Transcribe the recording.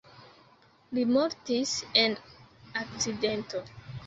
Li mortis en akcidento.